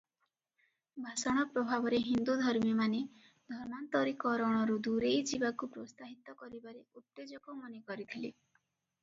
ଭାଷଣ ପ୍ରଭାବରେ ହିନ୍ଦୁ ଧର୍ମୀମାନେ ଧର୍ମାନ୍ତରୀକରଣରୁ ଦୂରେଇ ଯିବାକୁ ପ୍ରୋତ୍ସାହିତ କରିବାରେ ଉତ୍ତେଜକ ମନେକରିଥିଲେ ।